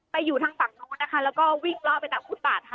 อยู่ทางฝั่งนู้นนะคะแล้วก็วิ่งเลาะไปตามฟุตบาทค่ะ